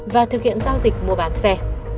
và thực hiện giao dịch mua bán xe